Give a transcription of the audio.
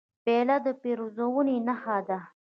پیاله د پیرزوینې نښه ده.